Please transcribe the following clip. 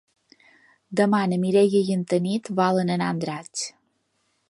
Demà na Mireia i na Tanit volen anar a Andratx.